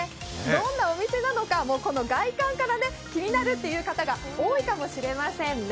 どんなお店なのか、この外観から気になるという方が多いかもしれませんね。